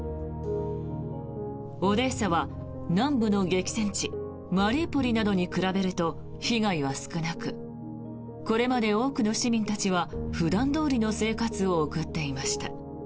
オデーサは南部の激戦地マリウポリなどに比べると被害は少なくこれまで多くの市民たちは普段どおりの生活を送っていました。